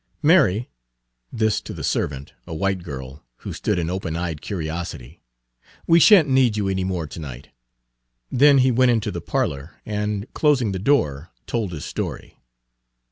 "Mary," this to the servant, a white girl, who stood in open eyed curiosity, "we shan't need you any more to night." Then he went into the parlor, and, closing Page 123 the door, told his story.